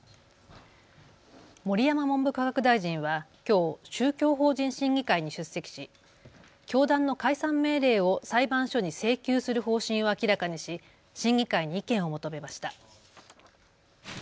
盛山文部科学大臣はきょう宗教法人審議会に出席し教団の解散命令を裁判所に請求する方針を明らかにし審議会に意見を求めました。